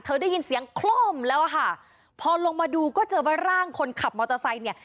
ได้ยินเสียงคล่อมแล้วอะค่ะพอลงมาดูก็เจอว่าร่างคนขับมอเตอร์ไซค์เนี่ย